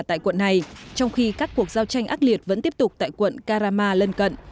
tại quận này trong khi các cuộc giao tranh ác liệt vẫn tiếp tục tại quận karama lân cận